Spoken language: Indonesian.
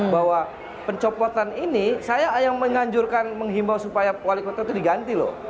bahwa pencopotan ini saya yang menganjurkan menghimbau supaya wali kota itu diganti loh